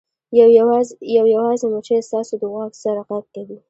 یو یوازې مچۍ ستاسو د غوږ سره غږ کوي